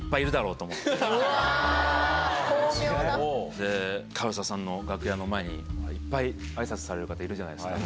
で唐沢さんの楽屋の前にいっぱいあいさつされる方いるじゃないですか。